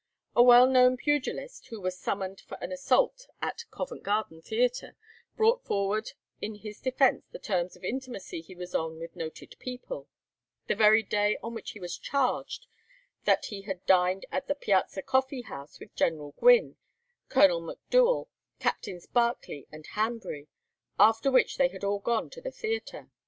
A well known pugilist, who was summoned for an assault at Covent Garden Theatre, brought forward in his defence the terms of intimacy he was on with noted people; the very day on which he was charged, that he had dined at the Piazza Coffee House with General Gwynne, Colonel McDouel, Captains Barkley and Hanbury, after which they had all gone to the theatre.